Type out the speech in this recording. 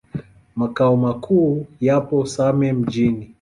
Makao makuu yapo Same Mjini.